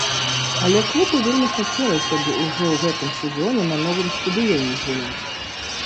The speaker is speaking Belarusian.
Але клубу вельмі хацелася б ужо ў гэтым сезоне на новым стадыёне згуляць.